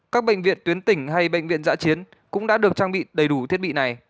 các bệnh viện tuyến tỉnh hay bệnh viện giã chiến cũng đã được trang bị đầy đủ thiết bị này